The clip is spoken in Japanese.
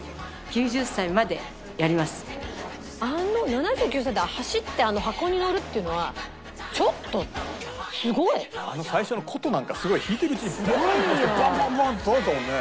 ７９歳で走って箱に乗るっていうのはちょっとすごい！最初の箏なんかすごい弾いてるうちにバーンってしてバンバンバンってたたいてたもんね。